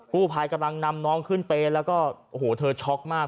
ผู้ภายกำลังนำน้องขึ้นไปแล้วก็โอ้โหเธอช็อกมาก